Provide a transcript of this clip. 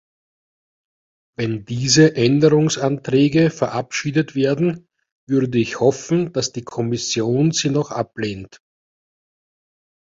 Wenn diese Änderungsanträge verabschiedet werden, würde ich hoffen, dass die Kommission sie noch ablehnt.